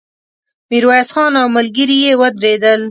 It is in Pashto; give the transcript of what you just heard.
ميرويس خان او ملګري يې ودرېدل.